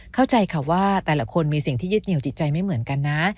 เข้าใจค่ะว่าแต่ละคนมีสิ่งที่ยึดเหนียวจิตใจไม่เหมือนกันนะ